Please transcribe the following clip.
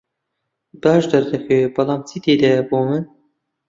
باش دەردەکەوێت، بەڵام چی تێدایە بۆ من؟